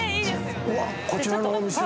◆こちらお店は？